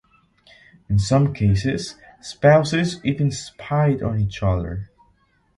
In some cases, spouses even spied on each other.